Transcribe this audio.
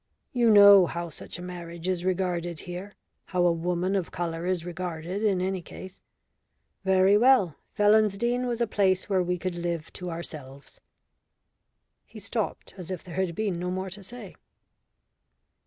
You know how such a marriage is regarded here how a woman of colour is regarded in any case. Very well, Felonsdene was a place where we could live to ourselves." He stopped, as if there had been no more to say.